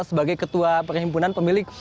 sebagai ketua perhimpunan pemilik